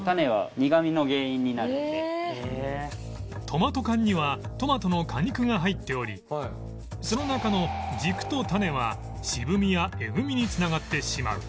トマト缶にはトマトの果肉が入っておりその中の軸と種は渋みやエグみに繋がってしまう